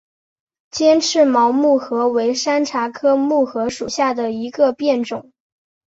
尖齿毛木荷为山茶科木荷属下的一个变种。